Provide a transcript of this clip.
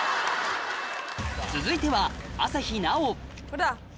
続いては朝日奈央これだ。